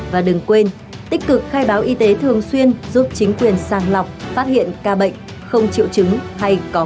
và đừng quên tích cực khai báo y tế thường xuyên giúp chính quyền sàng lọc phát hiện ca bệnh không triệu chứng hay có nguy cơ cao